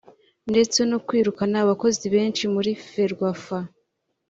ndetse no kwirukana abakozi benshi muri Ferwafa